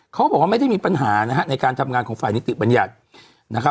เขาบอกว่าไม่ได้มีปัญหานะในการทำงานของฝ่ายนิติบรรยาก